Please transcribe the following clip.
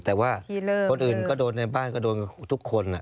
แต่ว่าคนอื่นก็โดนในบ้านก็โดนกับทุกคน